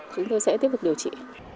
chúng tôi sẽ tiếp tục điều trị